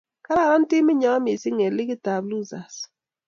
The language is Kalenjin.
Kikararan timinyo missing eng ligitab Losers